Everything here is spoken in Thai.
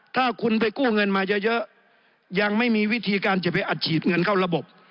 ถ้าคุณไปกู้เงินมาเยอะยังไม่มีวิธีการจะไปอัดฉีดเงินเข้าระบบ